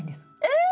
え！